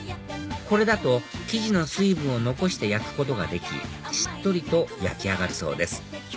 これだと生地の水分を残して焼くことができしっとりと焼き上がるそうです